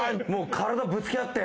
体ぶつけ合って。